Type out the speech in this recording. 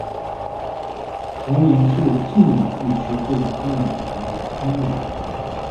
婆姨是晋语地区对已婚女人的称谓。